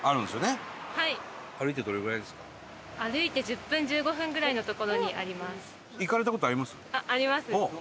歩いて１０分１５分ぐらいの所にあります。